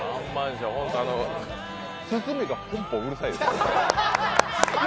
鼓がポンポンうるさいです。